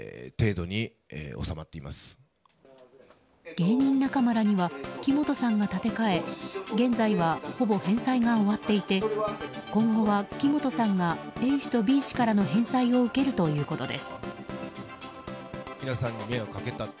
芸人仲間らには木本さんが立て替え現在はほぼ返済が終わっていて今後は木本さんがＡ氏とＢ氏からの返済を受けるということです。